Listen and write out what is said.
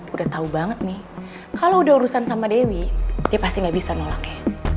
udah tau banget nih kalau udah urusan sama dewi dia pasti gak bisa nolaknya